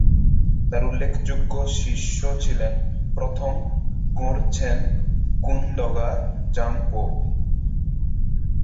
তার উল্লেখযোগ্য শিষ্য ছিলেন প্রথম ঙ্গোর-ছেন কুন-দ্গা'-ব্জাং-পো।